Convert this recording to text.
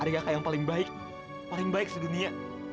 adik adik yang paling baik paling baik di dunia